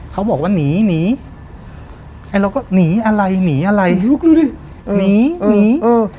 เขาบอกว่าหนีหนีไอ้เราก็หนีอะไรหนีอะไรลุกดูดิหนีหนีเออ